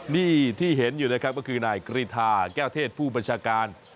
นี่ที่เห็นอยู่นะครับก็คือนายกรีธาแก้วเทศผู้บัญชาการ